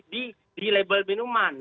dari label minuman